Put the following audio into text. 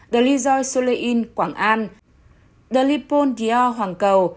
the lysol soleil quảng an the lippon dior hoàng cầu